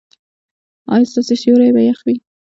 ایا ستاسو سیوري به يخ وي؟